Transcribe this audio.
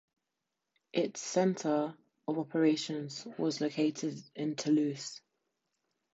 Its center of operations was located in Toulouse.